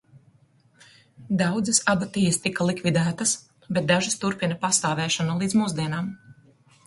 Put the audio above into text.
Daudzas abatijas tika likvidētas, bet dažas turpina pastāvēšanu līdz mūsdienām.